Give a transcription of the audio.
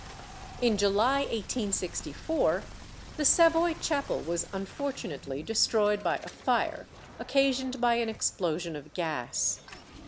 In July 1864 the Savoy Chapel was unfortunately destroyed by a fire occasioned by an explosion of gas.